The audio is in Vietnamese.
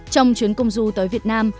trong chuyến công du tới việt nam